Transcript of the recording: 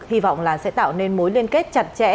hy vọng là sẽ tạo nên mối liên kết chặt chẽ